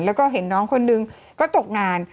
แล้วก็เห็นน้องคนนึงก็ตกงาน